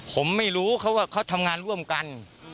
ผมไม่รู้เขาว่าเขาทำงานร่วมกัน